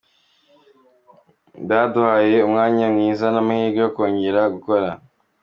Byaduhaye umwanya mwiza n’amahirwe yo kongera gukora.